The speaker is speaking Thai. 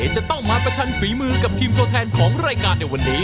จะต้องมาประชันฝีมือกับทีมตัวแทนของรายการในวันนี้